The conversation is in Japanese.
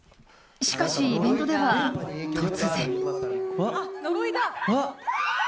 しかしイベントでは突然。